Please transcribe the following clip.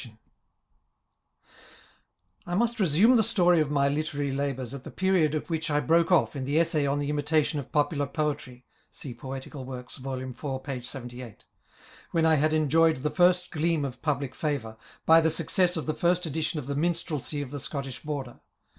Digitized by VjOOQIC •i INTKODOCTION TO THB I must resume the story of my literary labours at the period at which I broke off in the Essay on the Imita tion of Topular Poetry, [see Poetical Works^ vol. iv. p. 78.] when I had enjoyed the first gleam of public favour, by the success of the first edition of the Minstrelsy of the Scottish Border.